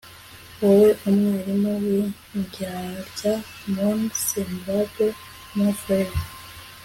Wowe Umwarimu windyarya mon semblable mon frere